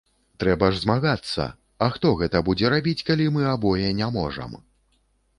Трэба ж змагацца, а хто гэта будзе рабіць, калі мы абое не можам?